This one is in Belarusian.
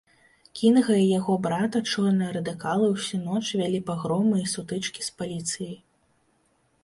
Кінга і яго брата чорныя радыкалы ўсю ноч вялі пагромы і сутычкі з паліцыяй.